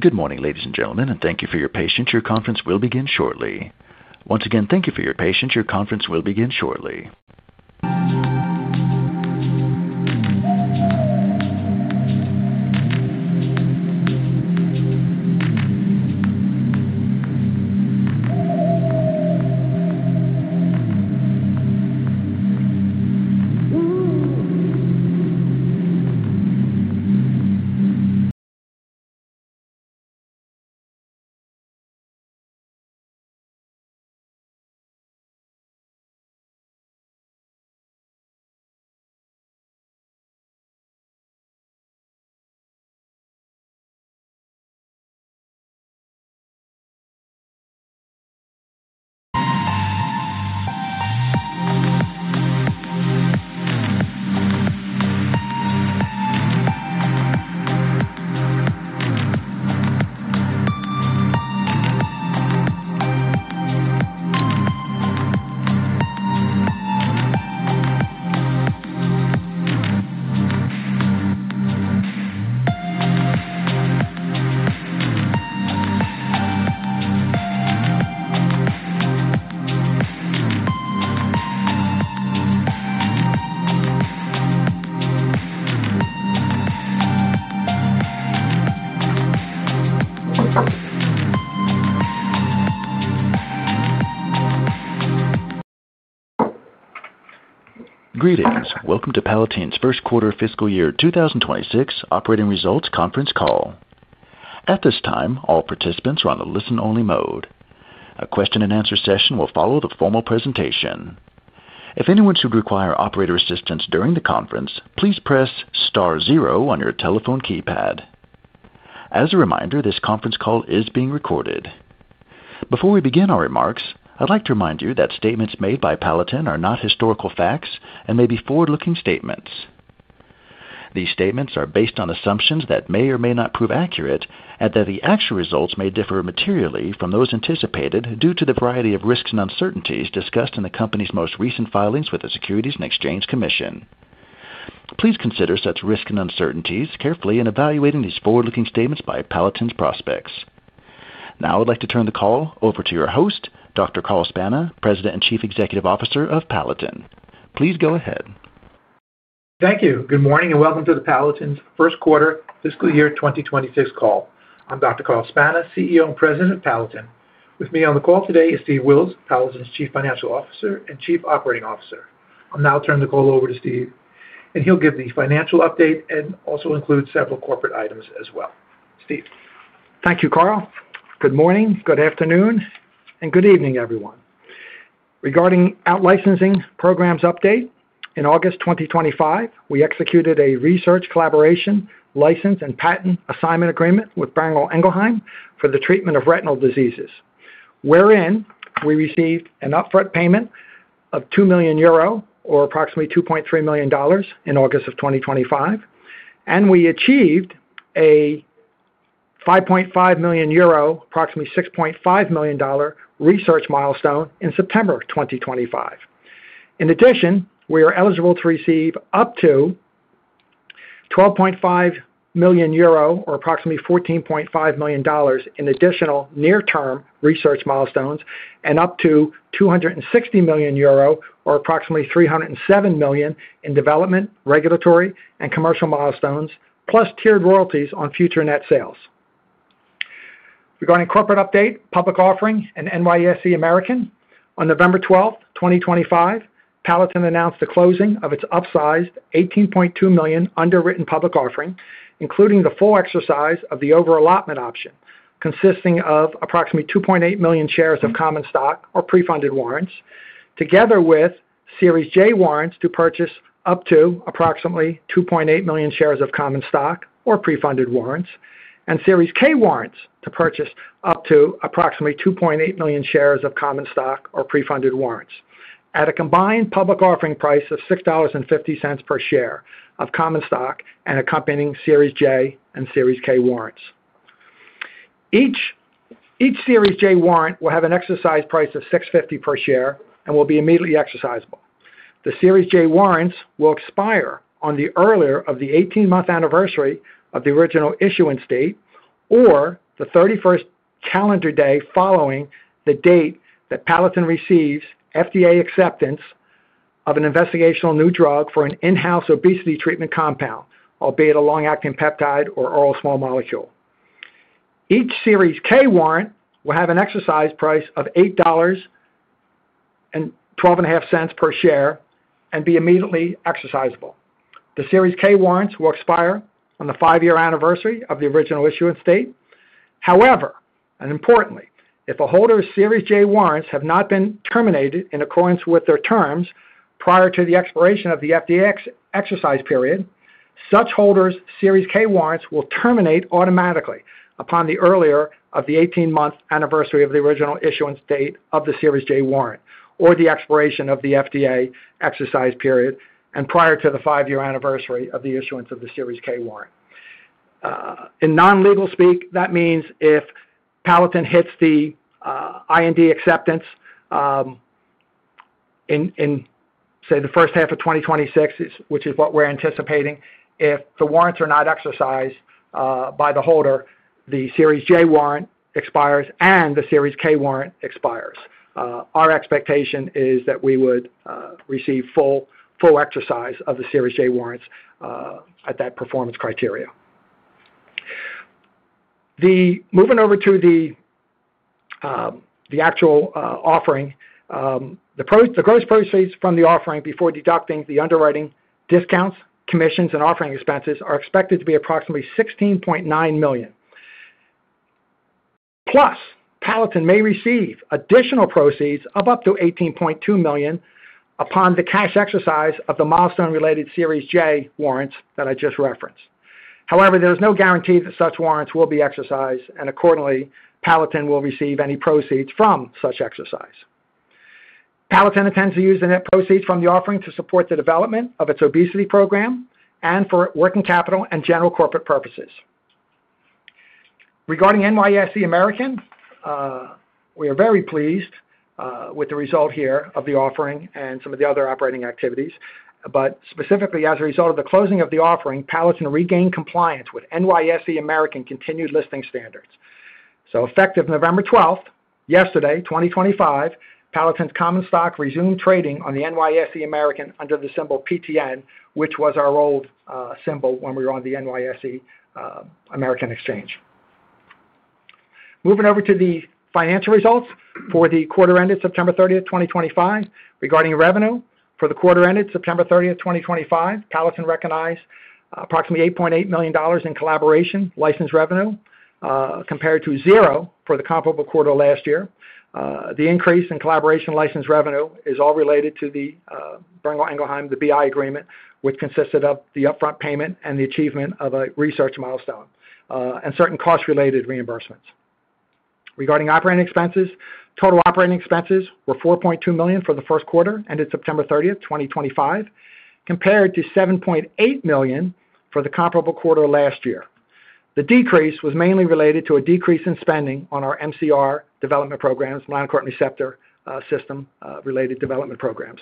Good morning, ladies and gentlemen, and thank you for your patience. Your conference will begin shortly. Once again, thank you for your patience. Your conference will begin shortly. Greetings. Welcome to Palatin's first quarter fiscal year 2026 operating results conference call. At this time, all participants are on the listen-only mode. A question-and-answer session will follow the formal presentation. If anyone should require operator assistance during the conference, please press star zero on your telephone keypad. As a reminder, this conference call is being recorded. Before we begin our remarks, I'd like to remind you that statements made by Palatin are not historical facts and may be forward-looking statements. These statements are based on assumptions that may or may not prove accurate and that the actual results may differ materially from those anticipated due to the variety of risks and uncertainties discussed in the company's most recent filings with the Securities and Exchange Commission. Please consider such risks and uncertainties carefully in evaluating these forward-looking statements by Palatin's prospects. Now, I'd like to turn the call over to your host, Dr. Carl Spana, President and Chief Executive Officer of Palatin. Please go ahead. Thank you. Good morning and welcome to Palatin's first quarter fiscal year 2026 call. I'm Dr. Carl Spana, CEO and President of Palatin. With me on the call today is Steve Wills, Palatin's Chief Financial Officer and Chief Operating Officer. I'll now turn the call over to Steve, and he'll give the financial update and also include several corporate items as well. Steve. Thank you, Carl. Good morning, good afternoon, and good evening, everyone. Regarding our licensing programs update, in August 2025, we executed a research collaboration license and patent assignment agreement with Boehringer Ingelheim for the treatment of retinal diseases, wherein we received an upfront payment of 2 million euro or approximately $2.3 million in August of 2025, and we achieved a 5.5 million euro or approximately $6.5 million research milestone in September 2025. In addition, we are eligible to receive up to 12.5 million euro or approximately $14.5 million in additional near-term research milestones and up to 260 million euro or approximately $307 million in development, regulatory, and commercial milestones, plus tiered royalties on future net sales. Regarding corporate update, public offering, and NYSE American, on November 12th, 2025, Palatin announced the closing of its upsized 18.2 million underwritten public offering, including the full exercise of the over-allotment option consisting of approximately 2.8 million shares of common stock or pre-funded warrants, together with Series J warrants to purchase up to approximately 2.8 million shares of common stock or pre-funded warrants, and Series K warrants to purchase up to approximately 2.8 million shares of common stock or pre-funded warrants at a combined public offering price of $6.50 per share of common stock and accompanying Series J and Series K warrants. Each Series J warrant will have an exercise price of $6.50 per share and will be immediately exercisable. The Series J warrants will expire on the earlier of the 18-month anniversary of the original issuance date or the 31st calendar day following the date that Palatin receives FDA acceptance of an investigational new drug for an in-house obesity treatment compound, albeit a long-acting peptide or oral small molecule. Each Series K warrant will have an exercise price of $8.12 per share and be immediately exercisable. The Series K warrants will expire on the five-year anniversary of the original issuance date. However, and importantly, if a holder's Series J warrants have not been terminated in accordance with their terms prior to the expiration of the FDA exercise period, such holders' Series K warrants will terminate automatically upon the earlier of the 18-month anniversary of the original issuance date of the Series J warrant or the expiration of the FDA exercise period and prior to the five-year anniversary of the issuance of the Series K warrant. In non-legal speak, that means if Palatin hits the IND acceptance in, say, the first half of 2026, which is what we're anticipating, if the warrants are not exercised by the holder, the Series J warrant expires and the Series K warrant expires. Our expectation is that we would receive full exercise of the Series J warrants at that performance criteria. Moving over to the actual offering, the gross proceeds from the offering before deducting the underwriting discounts, commissions, and offering expenses are expected to be approximately $16.9 million. Plus, Palatin may receive additional proceeds of up to $18.2 million upon the cash exercise of the milestone-related Series J warrants that I just referenced. However, there is no guarantee that such warrants will be exercised, and accordingly, Palatin will receive any proceeds from such exercise. Palatin intends to use the net proceeds from the offering to support the development of its obesity program and for working capital and general corporate purposes. Regarding NYSE American, we are very pleased with the result here of the offering and some of the other operating activities, but specifically, as a result of the closing of the offering, Palatin regained compliance with NYSE American continued listing standards. Effective November 12th, yesterday, 2025, Palatin's common stock resumed trading on the NYSE American under the symbol PTN, which was our old symbol when we were on the NYSE American Exchange. Moving over to the financial results for the quarter ended September 30th, 2025. Regarding revenue for the quarter ended September 30th, 2025, Palatin recognized approximately $8.8 million in collaboration license revenue compared to zero for the comparable quarter last year. The increase in collaboration license revenue is all related to the Boehringer Ingelheim, the BI agreement, which consisted of the upfront payment and the achievement of a research milestone and certain cost-related reimbursements. Regarding operating expenses, total operating expenses were $4.2 million for the first quarter ended September 30th, 2025, compared to $7.8 million for the comparable quarter last year. The decrease was mainly related to a decrease in spending on our MC4R development programs, non-core receptor system-related development programs.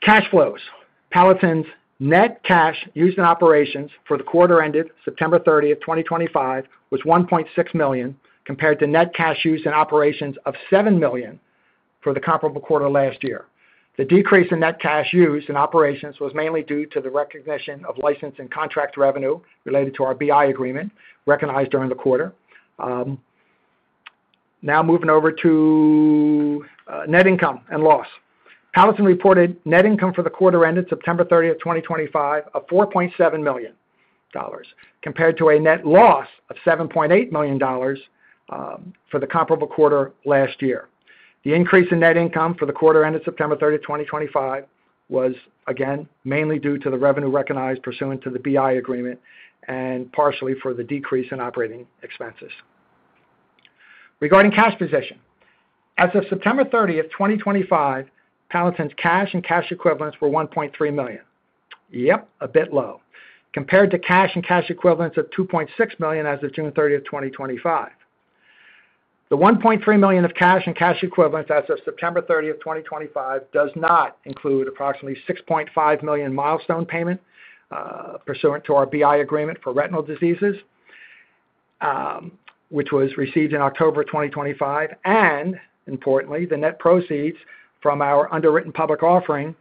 Cash flows, Palatin's net cash used in operations for the quarter ended September 30th, 2025, was $1.6 million compared to net cash used in operations of $7 million for the comparable quarter last year. The decrease in net cash used in operations was mainly due to the recognition of license and contract revenue related to our Boehringer Ingelheim agreement recognized during the quarter. Now, moving over to net income and loss. Palatin reported net income for the quarter ended September 30th, 2025, of $4.7 million compared to a net loss of $7.8 million for the comparable quarter last year. The increase in net income for the quarter ended September 30th, 2025, was, again, mainly due to the revenue recognized pursuant to the BI agreement and partially for the decrease in operating expenses. Regarding cash position, as of September 30th, 2025, Palatin's cash and cash equivalents were $1.3 million. Yep, a bit low compared to cash and cash equivalents of $2.6 million as of June 30th, 2025. The $1.3 million of cash and cash equivalents as of September 30th, 2025, does not include approximately $6.5 million milestone payment pursuant to our BI agreement for retinal diseases, which was received in October 2025, and importantly, the net proceeds from our underwritten public offering,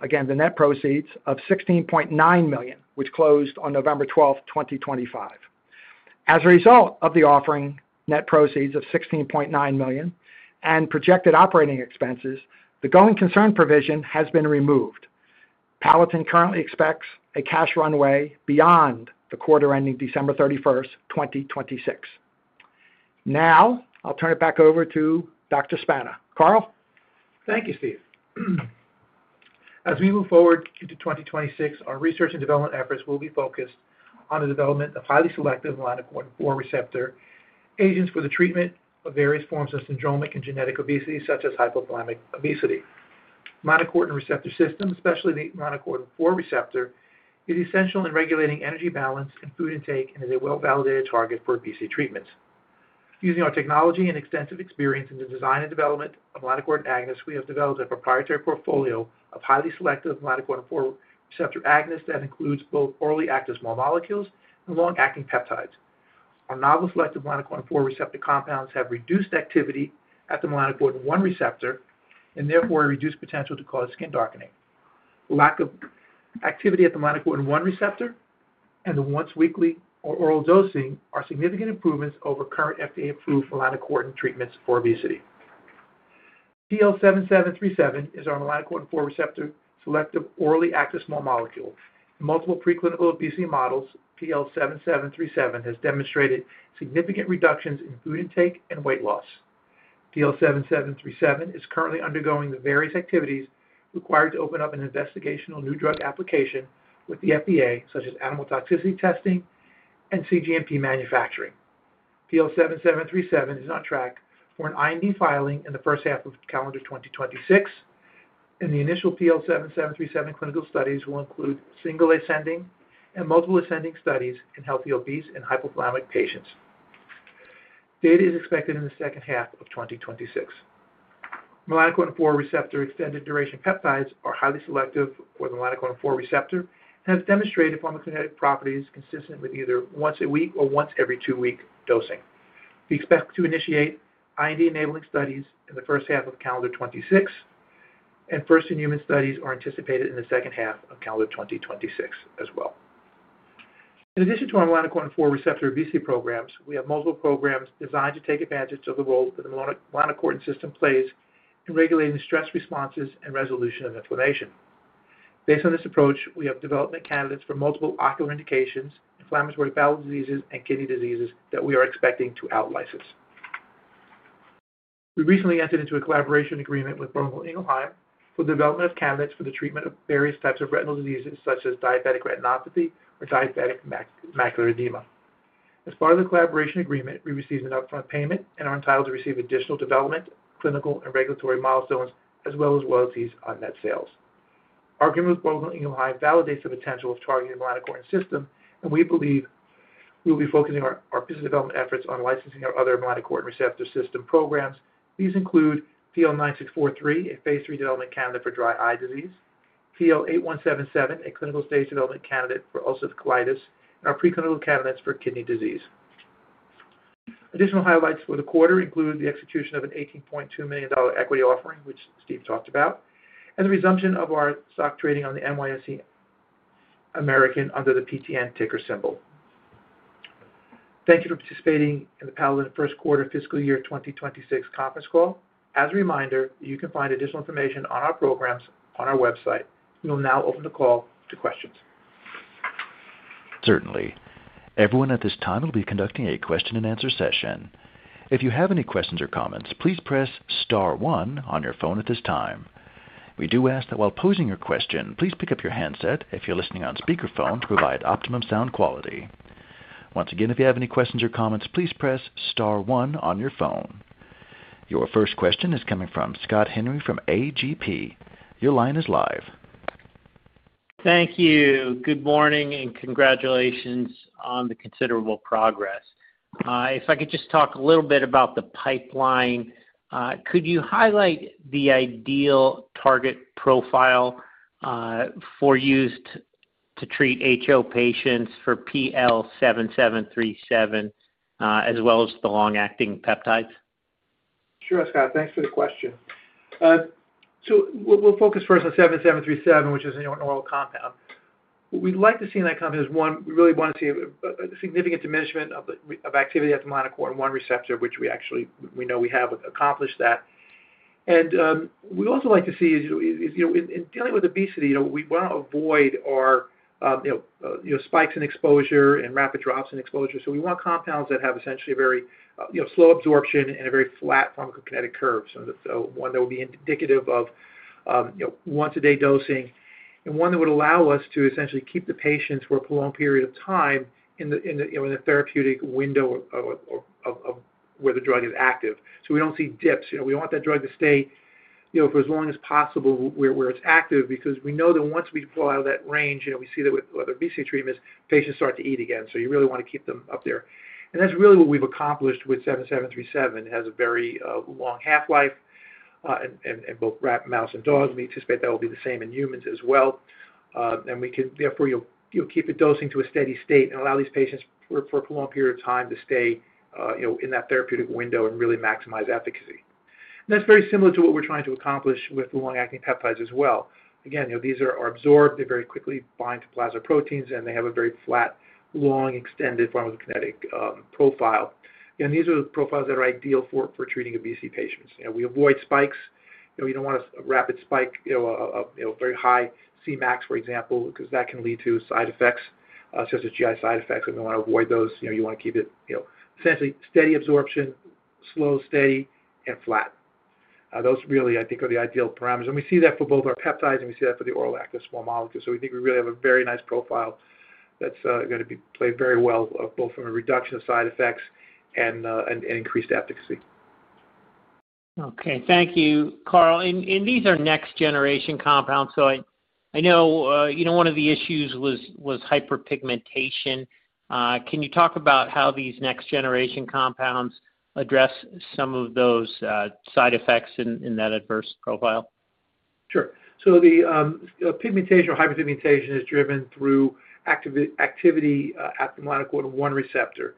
again, the net proceeds of $16.9 million, which closed on November 12th, 2025. As a result of the offering net proceeds of $16.9 million and projected operating expenses, the going concern provision has been removed. Palatin currently expects a cash runway beyond the quarter ending December 31st, 2026. Now, I'll turn it back over to Dr. Spana. Carl. Thank you, Steve. As we move forward into 2026, our research and development efforts will be focused on the development of highly selective melanocortin-4 receptor agents for the treatment of various forms of syndromic and genetic obesity, such as hypothalamic obesity. Melanocortin receptor systems, especially the melanocortin-4 receptor, is essential in regulating energy balance and food intake and is a well-validated target for obesity treatments. Using our technology and extensive experience in the design and development of melanocortin agonists, we have developed a proprietary portfolio of highly selective melanocortin-4 receptor agonists that includes both orally active small molecules and long-acting peptides. Our novel selective melanocortin-4 receptor compounds have reduced activity at the melanocortin-1 receptor and therefore a reduced potential to cause skin darkening. Lack of activity at the melanocortin-1 receptor and the once-weekly or oral dosing are significant improvements over current FDA-approved melanocortin treatments for obesity. PL7737 is our melanocortin-4 receptor selective orally active small molecule. In multiple preclinical obesity models, PL7737 has demonstrated significant reductions in food intake and weight loss. PL7737 is currently undergoing the various activities required to open up an Investigational New Drug application with the FDA, such as animal toxicity testing and CGMP manufacturing. PL7737 is on track for an IND filing in the first half of calendar 2026, and the initial PL7737 clinical studies will include single ascending and multiple ascending studies in healthy obese and hypothalamic patients. Data is expected in the second half of 2026. Melanocortin-4 receptor extended duration peptides are highly selective for the melanocortin-4 receptor and have demonstrated pharmacogenetic properties consistent with either once-a-week or once-every-two-week dosing. We expect to initiate IND-enabling studies in the first half of calendar 2026, and first-in-human studies are anticipated in the second half of calendar 2026 as well. In addition to our melanocortin-4 receptor obesity programs, we have multiple programs designed to take advantage of the role that the melanocortin system plays in regulating stress responses and resolution of inflammation. Based on this approach, we have developed candidates for multiple ocular indications, inflammatory bowel diseases, and kidney diseases that we are expecting to out-license. We recently entered into a collaboration agreement with Boehringer Ingelheim for the development of candidates for the treatment of various types of retinal diseases, such as diabetic retinopathy or diabetic macular edema. As part of the collaboration agreement, we received an upfront payment and are entitled to receive additional development, clinical, and regulatory milestones, as well as royalties on net sales. Our agreement with Boehringer Ingelheim validates the potential of targeting the melanocortin system, and we believe we will be focusing our business development efforts on licensing our other melanocortin receptor system programs. These include PL9643, a phase III development candidate for dry eye disease, PL8177, a clinical stage development candidate for ulcerative colitis, and our preclinical candidates for kidney disease. Additional highlights for the quarter include the execution of an $18.2 million equity offering, which Steve talked about, and the resumption of our stock trading on the NYSE American under the PTN ticker symbol. Thank you for participating in the Palatin first quarter fiscal year 2026 conference call. As a reminder, you can find additional information on our programs on our website. We will now open the call to questions. Certainly. Everyone, at this time we will be conducting a question-and-answer session. If you have any questions or comments, please press star one on your phone at this time. We do ask that while posing your question, please pick up your handset if you're listening on speakerphone to provide optimum sound quality. Once again, if you have any questions or comments, please press star one on your phone. Your first question is coming from Scott Henry from AGP. Your line is live. Thank you. Good morning and congratulations on the considerable progress. If I could just talk a little bit about the pipeline, could you highlight the ideal target profile for use to treat HO patients for PL7737 as well as the long-acting peptides? Sure, Scott. Thanks for the question. We'll focus first on 7737, which is an oral compound. What we'd like to see in that compound is, one, we really want to see a significant diminishment of activity at the melanocortin-1 receptor, which we actually know we have accomplished. We also like to see, in dealing with obesity, we want to avoid spikes in exposure and rapid drops in exposure. We want compounds that have essentially a very slow absorption and a very flat pharmacokinetic curve. One that will be indicative of once-a-day dosing and one that would allow us to essentially keep the patients for a prolonged period of time in the therapeutic window of where the drug is active. We don't see dips. We want that drug to stay for as long as possible where it's active because we know that once we fall out of that range, we see that with other obesity treatments, patients start to eat again. You really want to keep them up there. That's really what we've accomplished with 7737. It has a very long half-life in both rats, mouse, and dogs. We anticipate that will be the same in humans as well. Therefore, you'll keep the dosing to a steady state and allow these patients for a prolonged period of time to stay in that therapeutic window and really maximize efficacy. That's very similar to what we're trying to accomplish with the long-acting peptides as well. Again, these are absorbed. They very quickly bind to plasma proteins, and they have a very flat, long, extended pharmacokinetic profile. These are the profiles that are ideal for treating obesity patients. We avoid spikes. We do not want a rapid spike of very high Cmax, for example, because that can lead to side effects, such as GI side effects. We want to avoid those. You want to keep it essentially steady absorption, slow, steady, and flat. Those really, I think, are the ideal parameters. We see that for both our peptides, and we see that for the oral active small molecules. We think we really have a very nice profile that is going to play very well both from a reduction of side effects and increased efficacy. Okay. Thank you, Carl. These are next-generation compounds. I know one of the issues was hyperpigmentation. Can you talk about how these next-generation compounds address some of those side effects in that adverse profile? Sure. The pigmentation or hyperpigmentation is driven through activity at the melanocortin-1 receptor.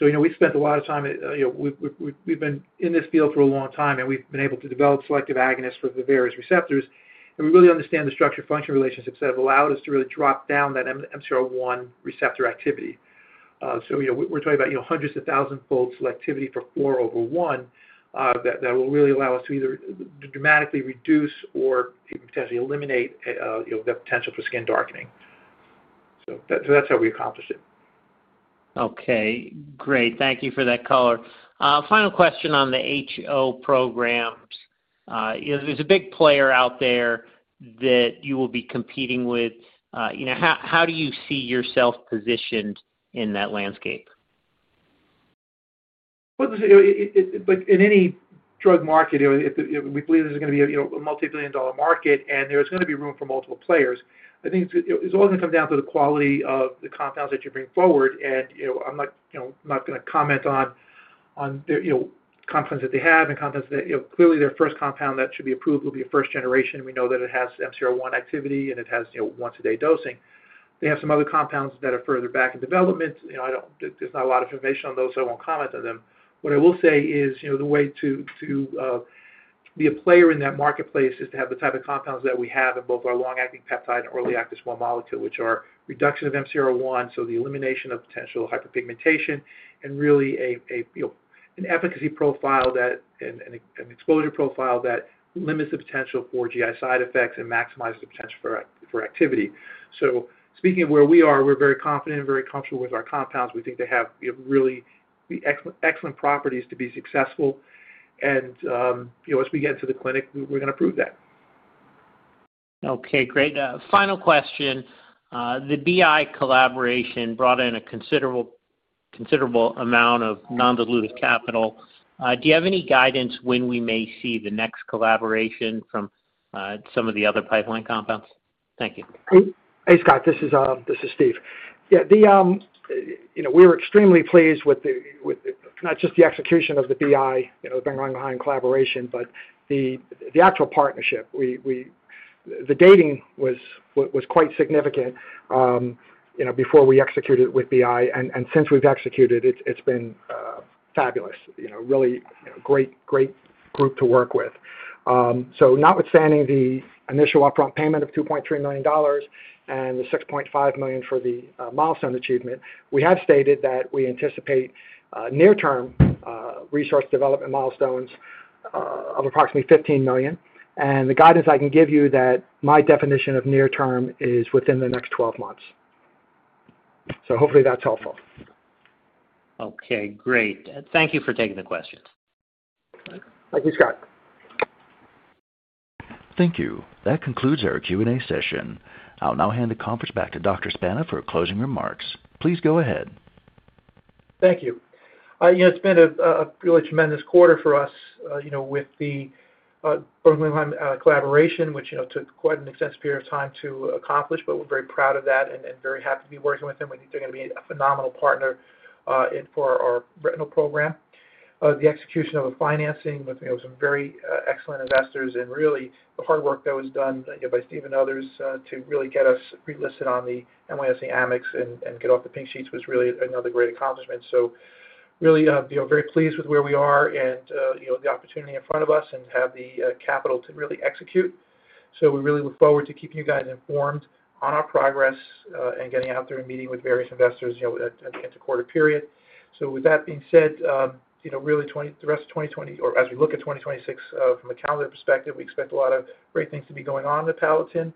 We spent a lot of time—we've been in this field for a long time, and we've been able to develop selective agonists for the various receptors. We really understand the structure-function relationships that have allowed us to really drop down that MC1R receptor activity. We're talking about hundreds of thousand-fold selectivity for four over one that will really allow us to either dramatically reduce or potentially eliminate the potential for skin darkening. That's how we accomplished it. Okay. Great. Thank you for that, Carl. Final question on the HO programs. There's a big player out there that you will be competing with. How do you see yourself positioned in that landscape? In any drug market, we believe there's going to be a multi-billion-dollar market, and there's going to be room for multiple players. I think it's all going to come down to the quality of the compounds that you bring forward. I'm not going to comment on compounds that they have and compounds that clearly their first compound that should be approved will be first-generation. We know that it has MC1R activity, and it has once-a-day dosing. They have some other compounds that are further back in development. There's not a lot of information on those, so I won't comment on them. What I will say is the way to be a player in that marketplace is to have the type of compounds that we have in both our long-acting peptide and early active small molecule, which are reduction of MC1R, so the elimination of potential hyperpigmentation, and really an efficacy profile and exposure profile that limits the potential for GI side effects and maximizes the potential for activity. Speaking of where we are, we're very confident and very comfortable with our compounds. We think they have really excellent properties to be successful. As we get into the clinic, we're going to prove that. Okay. Great. Final question. The BI collaboration brought in a considerable amount of non-dilutive capital. Do you have any guidance when we may see the next collaboration from some of the other pipeline compounds? Thank you. Hey, Scott. This is Steve. Yeah. We were extremely pleased with not just the execution of the BI, the behind-the-collaboration, but the actual partnership. The dating was quite significant before we executed with BI. Since we've executed, it's been fabulous. Really great group to work with. Notwithstanding the initial upfront payment of $2.3 million and the $6.5 million for the milestone achievement, we have stated that we anticipate near-term resource development milestones of approximately $15 million. The guidance I can give you is that my definition of near-term is within the next 12 months. Hopefully that's helpful. Okay. Great. Thank you for taking the questions. Thank you, Scott. Thank you. That concludes our Q&A session. I'll now hand the conference back to Dr. Spana for closing remarks. Please go ahead. Thank you. It's been a really tremendous quarter for us with the Boehringer Ingelheim collaboration, which took quite an extensive period of time to accomplish, but we're very proud of that and very happy to be working with them. They're going to be a phenomenal partner for our retinal program. The execution of the financing with some very excellent investors and really the hard work that was done by Steve and others to really get us relisted on the NYSE American and get off the pink sheets was really another great accomplishment. Really very pleased with where we are and the opportunity in front of us and have the capital to really execute. We really look forward to keeping you guys informed on our progress and getting out there and meeting with various investors at the end of the quarter period. With that being said, really the rest of 2020, or as we look at 2026 from a calendar perspective, we expect a lot of great things to be going on in Palatin.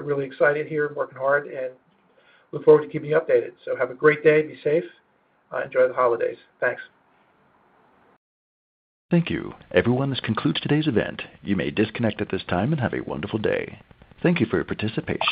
Really excited here, working hard, and look forward to keeping you updated. Have a great day, be safe, enjoy the holidays. Thanks. Thank you. Everyone, this concludes today's event. You may disconnect at this time and have a wonderful day. Thank you for your participation.